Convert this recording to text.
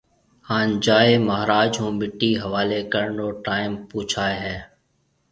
ھان جائيَ مھاراج ھون مٽِي حواليَ ڪرڻ رو ٽاڍيم پوڇائيَ ھيََََ